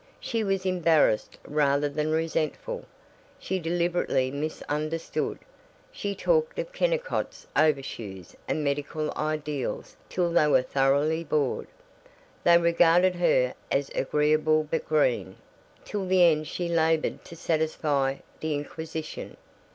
She was embarrassed rather than resentful. She deliberately misunderstood. She talked of Kennicott's overshoes and medical ideals till they were thoroughly bored. They regarded her as agreeable but green. Till the end she labored to satisfy the inquisition.